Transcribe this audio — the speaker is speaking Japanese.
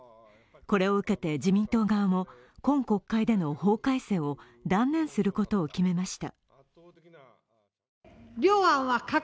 これを受けて自民党側も、今国会での法改正を断念することを決めました。